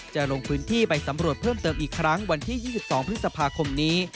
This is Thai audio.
จะลงพื้นที่ไปสำรวจเพิ่มเติมอีกครั้งวันที่๒๒พฤษภาคมนี้